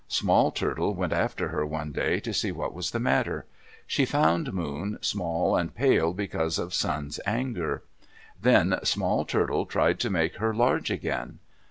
Small Turtle went after her one day to see what was the matter. She found Moon small and pale because of Sun's anger. Then Small Turtle tried to make her large again.